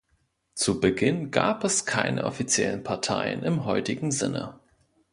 Zu Beginn gab es keine offiziellen Parteien im heutigen Sinne.